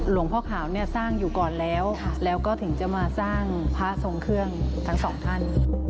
หลวงพ่อขาวเนี่ยสร้างอยู่ก่อนแล้วแล้วก็ถึงจะมาสร้างพระทรงเครื่องทั้งสองท่าน